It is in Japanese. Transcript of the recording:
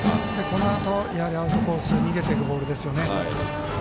このあとアウトコースに逃げていくボールですよね。